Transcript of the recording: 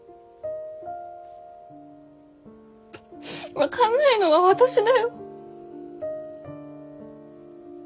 分かんないのは私だよ。